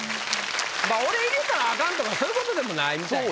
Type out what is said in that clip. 俺入れたらアカンとかそういうことでもないみたいやな。